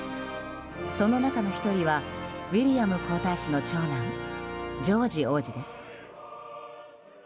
その中の１人はウィリアム皇太子の長男ジョージ王子です。